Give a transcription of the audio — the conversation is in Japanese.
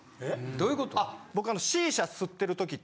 どういうこと？